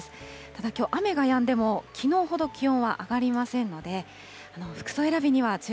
ただきょう、雨がやんでもきのうほど気温は上がりませんので、服装選びには注